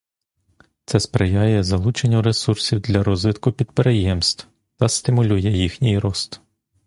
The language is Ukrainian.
Це сприяє залученню ресурсів для розвитку підприємств та стимулює їхній рост.